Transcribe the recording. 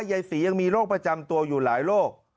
ยายศรียังมีโรคประจำตัวอยู่หลายโรค